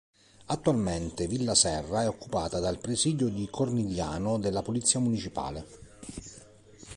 Attualmente Villa Serra è occupata dal presidio di Cornigliano della Polizia Municipale.